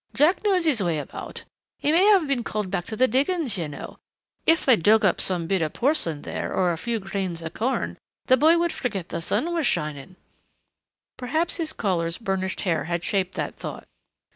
Jack knows his way about.... He may have been called back to the diggings, you know if they dug up a bit porcelain there or a few grains of corn the boy would forget the sun was shining." Perhaps his caller's burnished hair had shaped that thought.